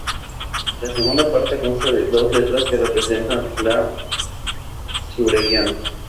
La segunda parte consta de dos letras que representan la subregión.